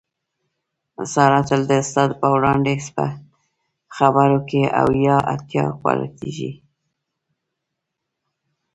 ساره تل د استاد په وړاندې په خبرو کې اویا اتیا غلطېږي.